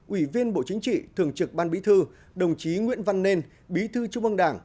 ủy viên bộ chính trị thường trực ban bí thư đồng chí nguyễn văn nên bí thư trung ương đảng